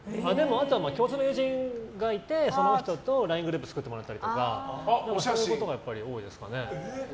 あとは共通の友人がいてその人とＬＩＮＥグループ作ってもらうことが多いですかね。